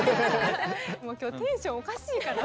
もう今日テンションおかしいから。